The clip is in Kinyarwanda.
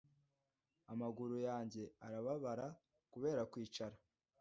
Amaguru yanjye arababara kubera kwicara